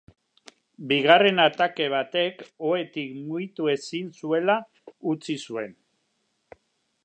Bigarren atake batek ohetik mugitu ezin zuela utzi zuen.